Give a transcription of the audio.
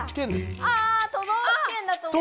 あ都道府県だと思ってた。